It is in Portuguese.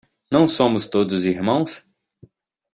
Não somos todos irmãos?